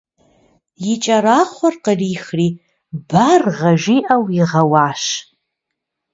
И кӏэрахъуэр кърихри «баргъэ» жиӏэу игъэуащ.